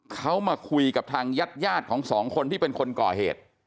เขามาคุยกับทางญาติของสองคนที่เป็นคนก่อเหตุ